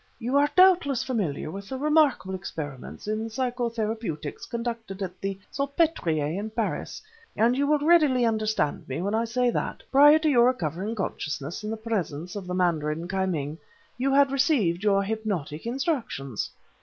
You are doubtless familiar with the remarkable experiments in psycho therapeutics conducted at the Salpêtrier in Paris, and you will readily understand me when I say that, prior to your recovering consciousness in the presence of the mandarin Ki Ming, you had received your hypnotic instructions.